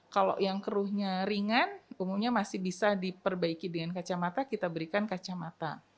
kalau yang keruhnya ringan umumnya masih bisa diperbaiki dengan kacamata kita berikan kacamata